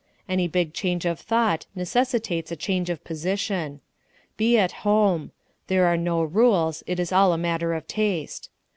Any big change of thought necessitates a change of position. Be at home. There are no rules it is all a matter of taste.